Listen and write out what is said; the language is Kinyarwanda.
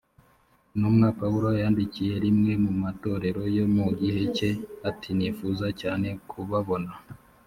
intumwa pawulo yandikiye rimwe mu matorero yo mu gihe cye ati nifuza cyane kubabona